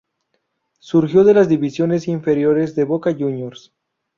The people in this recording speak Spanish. Surgió de las divisiones inferiores de Boca Juniors.